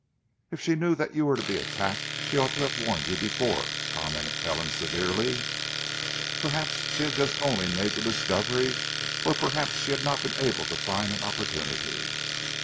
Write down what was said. "If she knew that you were to be attacked she ought to have warned you before," commented Helen severely. "Perhaps she had only just made the discovery or possibly she had not been able to find an opportunity."